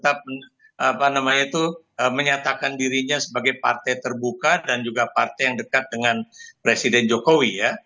tidak golkar saat ini masih tetap apa namanya itu menyatakan dirinya sebagai partai terbuka dan juga partai yang dekat dengan presiden jokowi ya